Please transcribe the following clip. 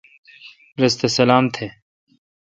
رس تھ سلام تھ۔